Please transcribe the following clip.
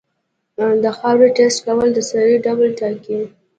د خاورې ټیسټ کول د سرې ډول ټاکي.